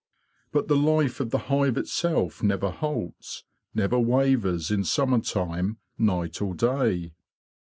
But the life of the hive itself never halts, never wavers in summer time, night or day.